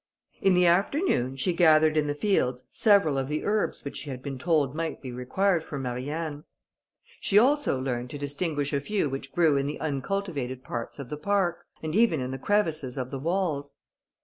In the afternoon, she gathered in the fields several of the herbs which she had been told might be required for Marianne. She also learned to distinguish a few which grew in the uncultivated parts of the park, and even in the crevices of the walls.